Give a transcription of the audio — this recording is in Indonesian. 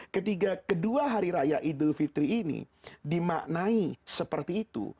ketika kedua hari raya idul fitri ini dimaknai seperti itu